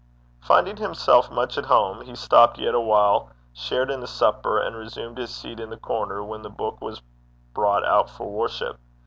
Finding himself much at home, he stopped yet a while, shared in the supper, and resumed his seat in the corner when the book was brought out for worship.